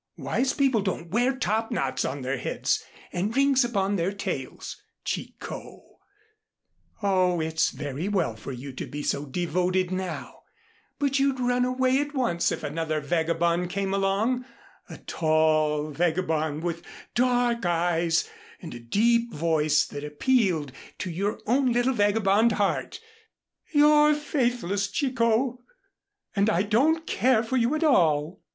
Wise people don't wear topknots on their heads and rings upon their tails, Chicot. Oh, it's all very well for you to be so devoted now, but you'd run away at once if another vagabond came along a tall vagabond with dark eyes and a deep voice that appealed to your own little vagabond heart. You're faithless, Chicot, and I don't care for you at all."